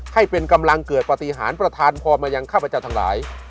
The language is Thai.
ให้เป็นกำลังเกิดปฏิหารประธานพรมายังข้าพเจ้าทั้งหลาย